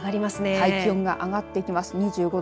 はい、気温が上がってきます。